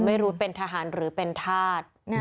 ไม่รู้เป็นทหารหรือเป็นธาตุ